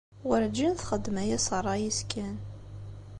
Werǧin txeddem aya s ṛṛay-is kan.